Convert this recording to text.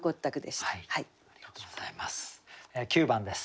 ありがとうございます。